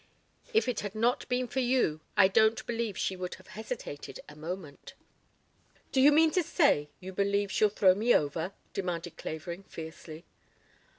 If it had not been for you I don't believe she would have hesitated a moment." "Do you mean to say you believe she'll throw me over?" demanded Clavering fiercely.